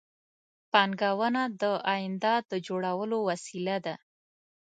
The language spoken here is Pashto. پانګونه د آینده د جوړولو وسیله ده